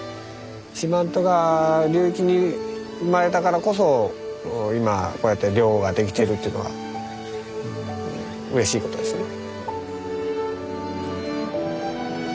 四万十川流域に生まれたからこそ今こうやって漁ができてるというのはうれしいことですよね。